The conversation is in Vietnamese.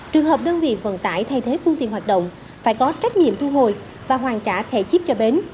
trường hợp đơn vị vận tải thay thế phương tiện hoạt động phải có trách nhiệm thu hồi và hoàn trả thẻ chip cho bến